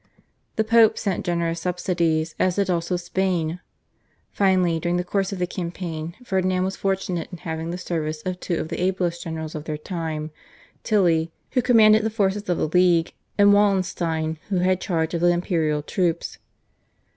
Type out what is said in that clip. The Pope sent generous subsidies, as did also Spain. Finally, during the course of the campaign Ferdinand was fortunate in having the service of two of the ablest generals of their time, Tilly, who commanded the forces of the /League/, and Wallenstein who had charge of the imperial troops.